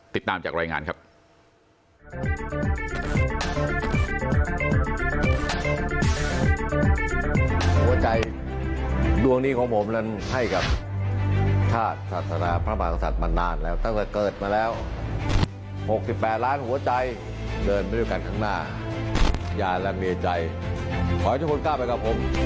ติดตามจากรายงานครับ